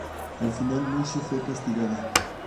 Al final, Mushi fue castigada.